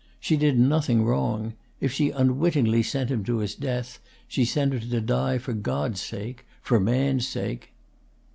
She did nothing wrong. If she unwittingly sent him to his death, she sent him to die for God's sake, for man's sake."